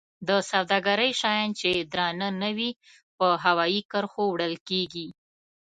د سوداګرۍ شیان چې درانه نه وي په هوایي کرښو وړل کیږي.